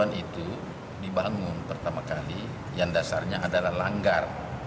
masjid ini dibangun pertama kali yang dasarnya adalah langgar